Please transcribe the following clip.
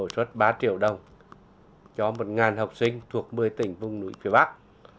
xuất ba triệu đồng cho một học sinh thuộc một mươi tỉnh vùng núi phía bắc